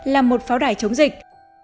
làm một pháo đài chống dịch